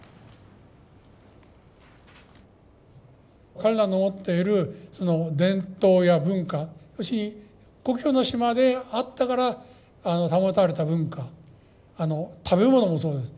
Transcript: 彼らの持っているその伝統や文化要するに故郷の島であったから保たれた文化食べ物もそうです